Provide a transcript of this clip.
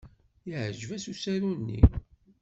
Yeɛjeb-as usaru-nni.